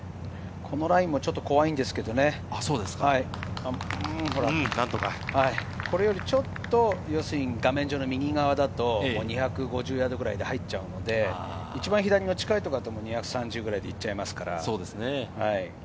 このライもちょっと怖いんですけれど、これよりちょっと画面上の右側だと２５０ヤードくらい入っちゃうので、一番左の近いところだと２３０くらい。